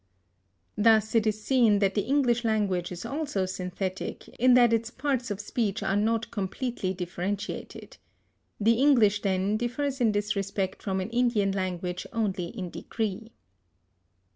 Thus it is seen that the English language is also synthetic in that its parts of speech are not completely differentiated. The English, then, differs in this respect from an Indian language only in degree.